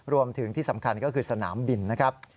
รวมถึงที่สำคัญก็คือสนามบินนะครับ